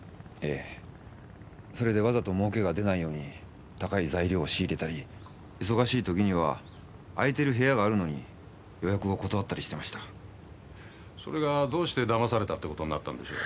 ええそれでわざと儲けが出ないように高い材料を仕入れたり忙しい時には空いてる部屋があるのに予約を断ったりしてましたそれがどうしてだまされたってことになったんでしょう？